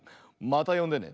またよんでね。